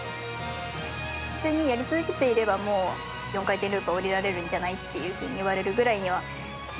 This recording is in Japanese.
普通にやり続けていればもう「４回転ループ降りられるんじゃない？」っていう風に言われるぐらいにはきていて。